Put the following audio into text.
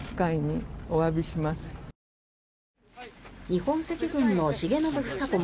日本赤軍の重信房子